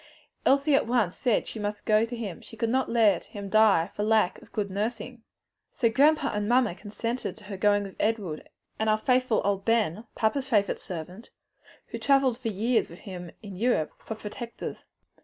Elsie at once said she must go to him, she could not let him die for lack of good nursing. So grandpa and mamma consented to her going with Edward and our faithful old Ben papa's foster brother and body servant, who travelled for years with him in Europe for protectors.